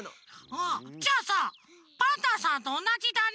ああじゃあさパンタンさんとおなじだね。